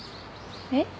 えっ？